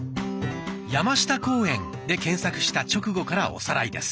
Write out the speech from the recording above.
「山下公園」で検索した直後からおさらいです。